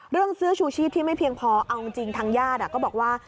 เสื้อชูชีพที่ไม่เพียงพอเอาจริงทางญาติก็บอกว่า